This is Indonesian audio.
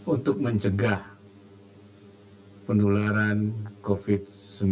untuk mencegah penularan covid sembilan belas